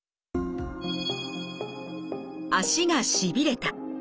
足がしびれた。